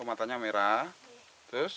matanya merah terus